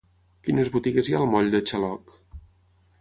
Quines botigues hi ha al moll de Xaloc?